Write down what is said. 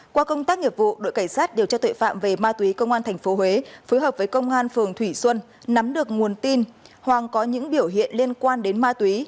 qua công tác nghiệp vụ đội cảnh sát điều tra tuệ phạm về ma túy công an tp huế phối hợp với công an phường thủy xuân nắm được nguồn tin hoàng có những biểu hiện liên quan đến ma túy